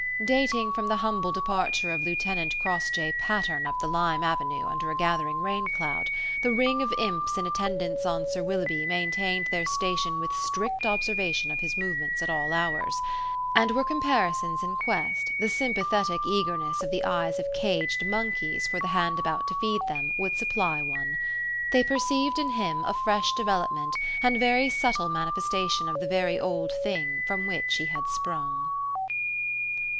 Dating from the humble departure of Lieutenant Crossjay Patterne up the limes avenue under a gathering rain cloud, the ring of imps in attendance on Sir Willoughby maintained their station with strict observation of his movements at all hours; and were comparisons in quest, the sympathetic eagerness of the eyes of caged monkeys for the hand about to feed them, would supply one. They perceived in him a fresh development and very subtle manifestation of the very old thing from which he had sprung.